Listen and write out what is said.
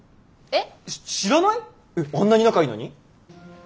えっあんなに仲いいのに？